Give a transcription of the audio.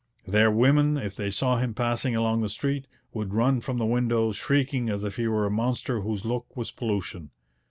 Their women, if they saw him passing along the street, would run from the windows shrieking as if he were a monster whose look was pollution.